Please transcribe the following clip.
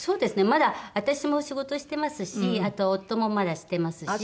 まだ私も仕事してますしあと夫もまだしてますし。